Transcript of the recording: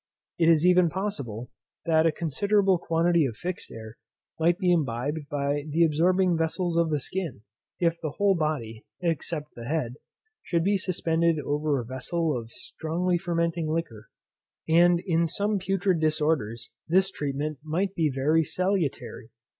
It is even possible, that a considerable quantity of fixed air might be imbibed by the absorbing vessels of the skin, if the whole body, except the head, should be suspended over a vessel of strongly fermenting liquor; and in some putrid disorders this treatment might be very salutary.